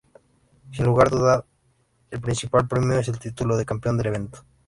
Sin lugar a dudas, el principal premio es el título de campeón del evento.